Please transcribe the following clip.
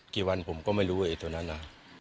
กี่วันผมก็ไม่รู้ไอ้ตัวนั้นน่ะ